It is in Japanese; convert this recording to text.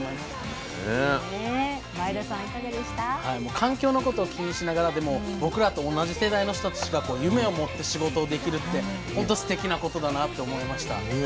環境のことを気にしながらでも僕らと同じ世代の人たちがこう夢を持って仕事をできるってほんとすてきなことだなと思いました。